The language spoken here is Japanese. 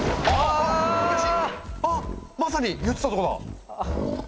あまさに言ってたとこだ。